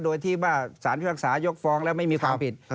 โดยที่ว่าสารพิพากษายกฟ้องแล้วไม่มีความผิด